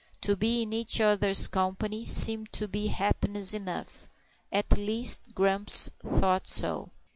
To be in each other's company seemed to be happiness enough at least Grumps thought so.